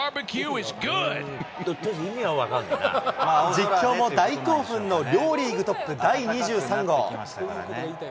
実況も大興奮の両リーグトップ、第２３号。